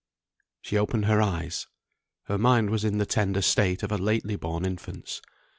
She opened her eyes. Her mind was in the tender state of a lately born infant's.